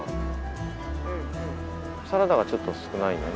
サラダがちょっと少ないのね。